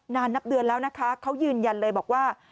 นับเดือนแล้วนะคะเขายืนยันเลยบอกว่า